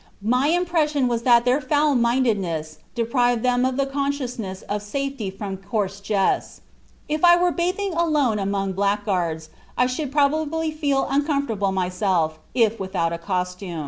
My impression was that their foul mindedness deprived them of the consciousness of safety from coarse jests. If I were bathing alone among blackguards, I should probably feel uncomfortable myself, if without costume."